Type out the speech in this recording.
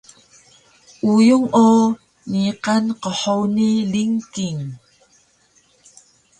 uyung o niqan qhuni lingking